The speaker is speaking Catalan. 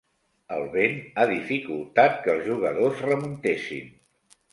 El vent ha dificultat que els jugadors remuntessin.